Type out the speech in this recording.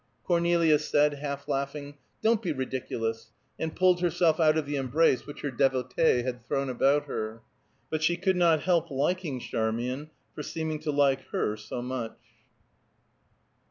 Cornelia said, half laughing, "Don't be ridiculous," and pulled herself out of the embrace which her devotee had thrown about her. But she could not help liking Charmian for seeming to like her so much.